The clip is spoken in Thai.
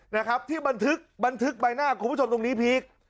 นะครับที่บันทึกบันทึกใบหน้าคุณผู้ชมตรงนี้พีค